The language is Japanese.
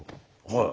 はい。